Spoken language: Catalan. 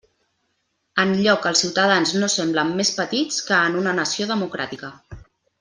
Enlloc els ciutadans no semblen més petits que en una nació democràtica.